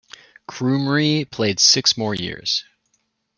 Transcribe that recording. Krumrie played six more years.